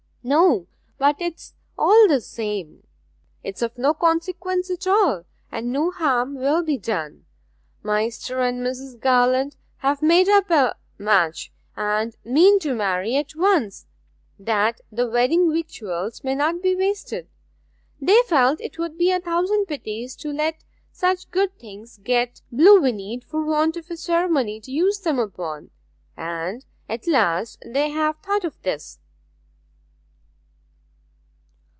'No but it's all the same! it is of no consequence at all, and no harm will be done! Maister and Mrs. Garland have made up a match, and mean to marry at once, that the wedding victuals may not be wasted! They felt 'twould be a thousand pities to let such good things get blue vinnied for want of a ceremony to use 'em upon, and at last they have thought of this.'